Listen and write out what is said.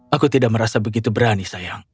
aku tidak merasa begitu berani sayang